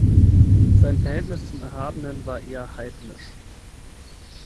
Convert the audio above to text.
Sein Verhältnis zum Erhabenen war eher heidnisch.